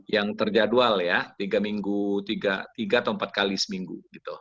yang terjadwal ya tiga minggu tiga atau empat kali seminggu